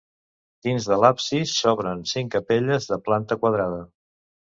Dins de l'absis s'obren cinc capelles de planta quadrada.